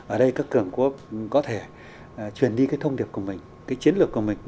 ở đây các cường quốc có thể truyền đi cái thông điệp của mình cái chiến lược của mình